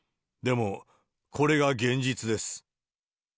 でも、これが現実です。